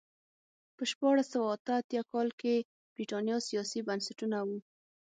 په شپاړس سوه اته اتیا کال کې برېټانیا سیاسي بنسټونه وو.